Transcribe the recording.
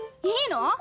いいの？